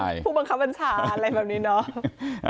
ผู้บังคับบัญชาอะไรแบบนี้เนาะ